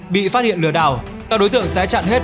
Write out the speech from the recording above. bị phát hiện lừa đảo các đối tượng sẽ chặn hết